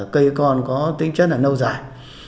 cây con có tính chất là nâu dài